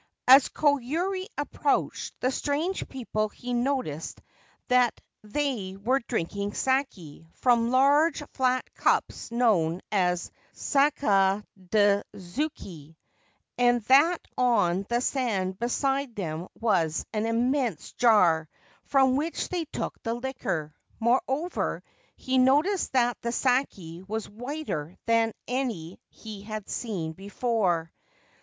As Koyuri approached the strange people he noticed that they were drinking sake from large flat cups known as ' sakadzuki,' and that on the sand beside them was an immense jar, from which they took the liquor ; moreover, he noticed that the sake was whiter than any he had seen before.